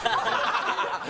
ハハハハ！